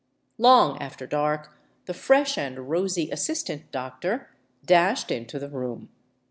Long after dark the fresh and rosy assistant doctor dashed into the room.